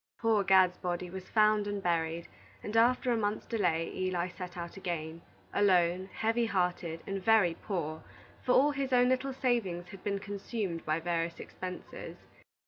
Poor Gad's body was found and buried, and after a month's delay, Eli set out again, alone, heavy hearted, and very poor, for all his own little savings had been consumed by various expenses.